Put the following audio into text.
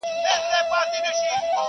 چيري ترخه بمبل چيري ټوکيږي سره ګلونه.